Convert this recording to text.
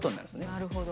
なるほど。